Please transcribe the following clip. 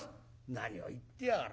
「何を言ってやがら。